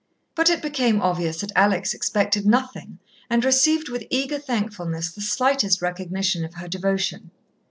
But it became obvious that Alex expected nothing, and received with eager thankfulness the slightest recognition of her devotion.